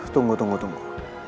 tunggu tunggu tunggu